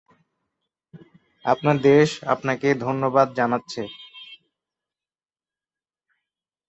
আপনার দেশ আপনাকে ধন্যবাদ জানাচ্ছে!